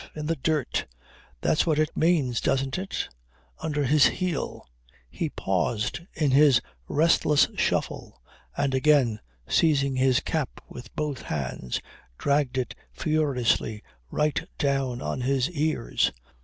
In the dirt. That's what it means. Doesn't it? Under his heel!" He paused in his restless shuffle and again, seizing his cap with both hands, dragged it furiously right down on his ears.